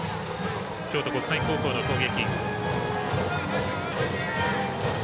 京都国際高校の攻撃。